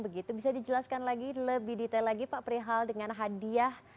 begitu bisa dijelaskan lagi lebih detail lagi pak perihal dengan hadiah